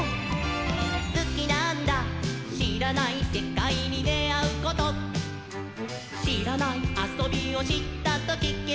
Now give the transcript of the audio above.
「スキなんだしらないセカイにであうこと」「しらないあそびをしったときケロ！」